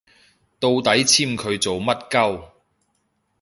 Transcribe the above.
到底簽佢做乜 𨳊